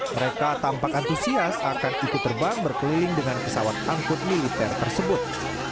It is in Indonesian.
mereka tampak antusias akan ikut terbang berkeliling dengan pesawat angkut militer tersebut